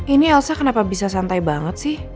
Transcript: ini elsa kenapa bisa santai banget sih